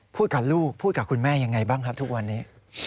พูดกับลูกพูดกับคุณแม่ยังไงบ้างครับทุกวันนี้